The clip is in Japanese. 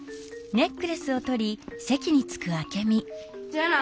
じゃあな。